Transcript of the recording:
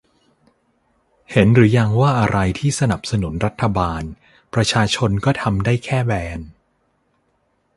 เห็นหรือยังว่าอะไรที่สนับสนุนรัฐบาล ประชาชนก็ทำได้แค่ แบน